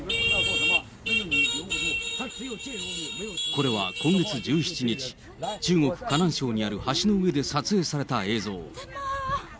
これは今月１７日、中国・河南省にある橋の上で撮影された映像。